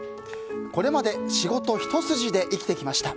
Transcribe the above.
これまで仕事ひと筋で生きてきました。